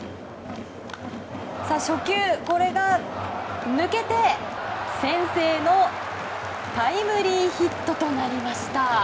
初球、これが抜けて先制のタイムリーヒットとなりました。